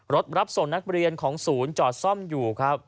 รับส่งนักเรียนของศูนย์จอดซ่อมอยู่ครับ